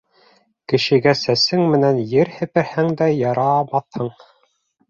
Кешегә сәсең менән ер һеперһәң дә ярамаҫһың.